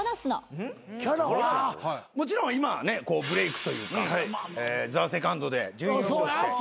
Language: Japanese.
もちろん今はねブレークというかＴＨＥＳＥＣＯＮＤで準優勝して。